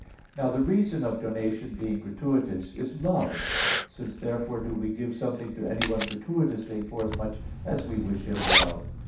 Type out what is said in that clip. Now, the reason of donation being gratuitous is love; since therefore do we give something to anyone gratuitously forasmuch as we wish him well.